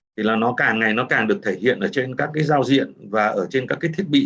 thì nó càng ngày càng được thể hiện trên các giao diện và trên các thiết bị